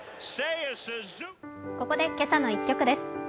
ここで「けさの１曲」です。